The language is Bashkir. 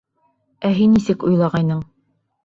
Ә һин нисек уйлағайның?